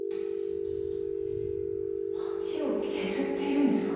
バチを削っているんですか？